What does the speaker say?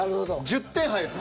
１０点入る。